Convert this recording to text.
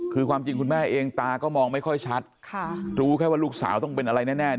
คือความจริงคุณแม่เองตาก็มองไม่ค่อยชัดรู้แค่ว่าลูกสาวต้องเป็นอะไรแน่